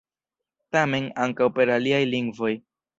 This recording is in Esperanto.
Tamen, ankaŭ per aliaj lingvoj